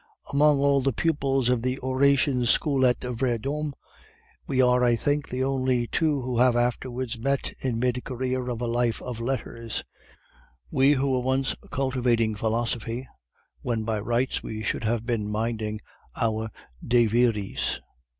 Among all the pupils of the Oratorian school at Vendome, we are, I think, the only two who have afterwards met in mid career of a life of letters we who once were cultivating Philosophy when by rights we should have been minding our De viris.